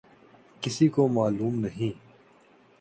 کسی کو معلوم نہیں۔